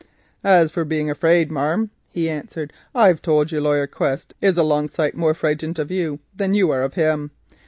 "As for being afeard, marm," he answered, "I've told you Laryer Quest is a long sight more frightened of you than you are of him.